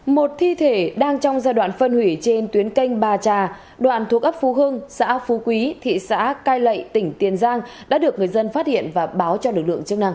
một thi thể đang trong giai đoạn phân hủy trên tuyến canh ba trà đoạn thuộc ấp phú hưng xã phú quý thị xã cai lệ tỉnh tiền giang đã được người dân phát hiện và báo cho lực lượng chức năng